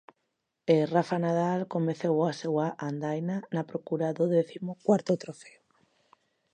E Rafa Nadal comezou a súa andaina na procura do décimo cuarto trofeo.